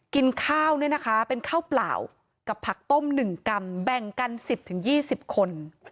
กินข้าวเนี่ยนะคะเป็นข้าวเปล่ากับผักต้ม๑กรัมแบ่งกัน๑๐๒๐คน